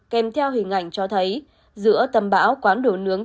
kèm theo hình ảnh cho thấy giữa tầm bão quán đổ nướng